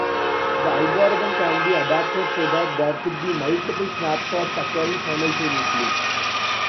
The algorithm can be adapted so that there could be multiple snapshots occurring simultaneously.